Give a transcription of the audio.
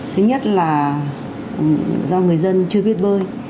thứ nhất là do người dân chưa biết bơi